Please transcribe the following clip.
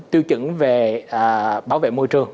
tiêu chữ về bảo vệ môi trường